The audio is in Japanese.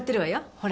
ほら。